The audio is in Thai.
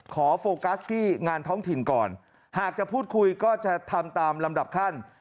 โฟกัสที่งานท้องถิ่นก่อนหากจะพูดคุยก็จะทำตามลำดับขั้น